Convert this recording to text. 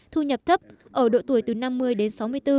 thu nhập thấp ở độ tuổi từ năm mươi đến sáu mươi bốn